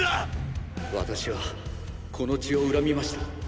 私はこの血を恨みました。